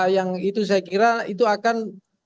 yang itu saya kira itu akan